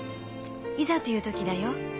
いざという時だよ。